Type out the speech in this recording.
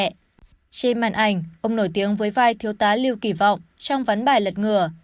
trên màn ảnh ông nổi tiếng với vai thiếu tá lưu kỳ vọng trong ván bài lật ngừa